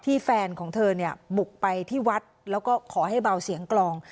แฟนของเธอเนี่ยบุกไปที่วัดแล้วก็ขอให้เบาเสียงกลอง